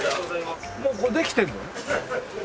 もうこれできてるの？